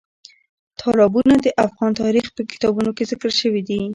تالابونه د افغان تاریخ په کتابونو کې ذکر شوي دي.